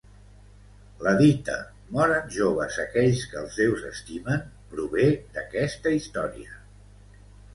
La dita "moren joves aquells que els deus estimen" prové d'aquesta història.